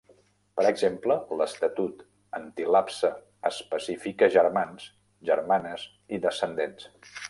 Per exemple, l'estatut antilapse especifica germans, germanes i descendents.